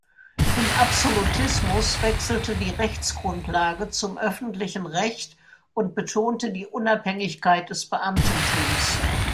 Im Absolutismus wechselte die Rechtsgrundlage zum öffentlichen Recht und betonte die Unabhängigkeit des Beamtentums.